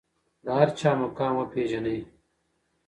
د هر چا مقام وپیژنئ.